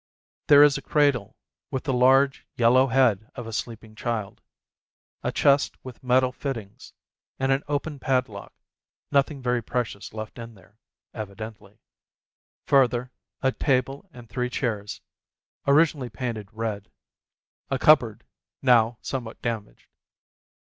There is a cradle, with the large, yellow head of a sleeping child; a chest with metal fittings and an open padlock â€" nothing very precious left in there, evidently; further, a table and three chairs (originally painted red), a cupboard, now somewhat damaged.